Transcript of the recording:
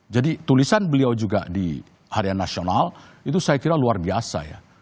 jadi tulisan beliau juga di harian nasional itu saya kira luar biasa ya